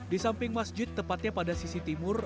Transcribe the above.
di samping masjid tepatnya pada sisi timur